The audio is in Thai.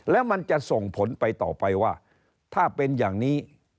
แล้วมันจะส่งผลไปต่อไปว่าถ้าเป็นอย่างนี้